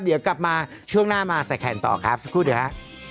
เดี๋ยวกลับมาช่วงหน้ามาใส่แขนต่อครับสักครู่เดี๋ยวฮะ